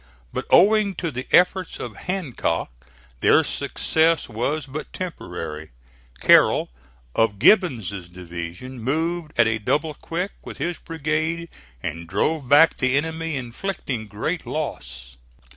But owing to the efforts of Hancock, their success was but temporary. Carroll, of Gibbon's division, moved at a double quick with his brigade and drove back the enemy, inflicting great loss.